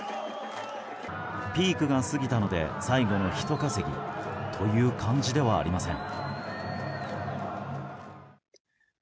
ピークが過ぎたので最後のひと稼ぎという感じではありません。